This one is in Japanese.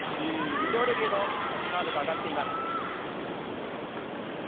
ビデオレビューのカードが上がっています。